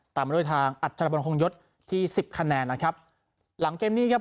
มาด้วยทางอัชรบนคงยศที่สิบคะแนนนะครับหลังเกมนี้ครับ